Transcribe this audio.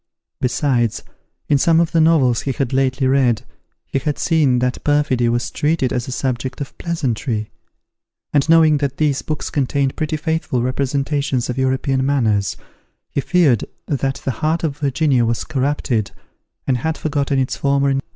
Besides, in some of the novels he had lately read, he had seen that perfidy was treated as a subject of pleasantry; and knowing that these books contained pretty faithful representations of European manners, he feared that the heart of Virginia was corrupted, and had forgotten its former engagements.